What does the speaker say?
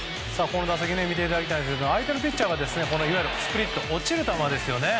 この打席見ていただきたいんですが相手のピッチャーはスプリット落ちる球ですね。